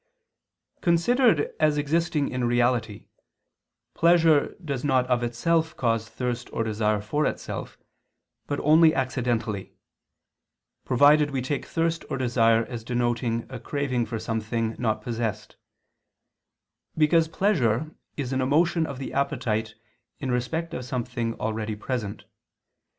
Considered as existing in reality, pleasure does not of itself cause thirst or desire for itself, but only accidentally; provided we take thirst or desire as denoting a craving for some thing not possessed: because pleasure is an emotion of the appetite in respect of something actually present.